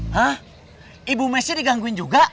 hah ibu messi digangguin juga